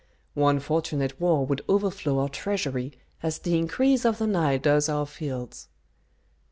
"One fortunate war would overflow our treasury as the increase of the Nile does our fields."